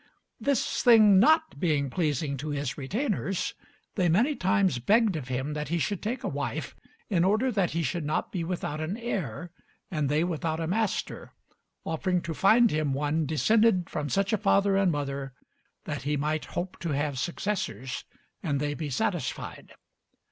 This thing not being pleasing to his retainers, they many times begged of him that he should take a wife, in order that he should not be without an heir and they without a master, offering to find him one descended from such a father and mother that he might hope to have successors and they be satisfied.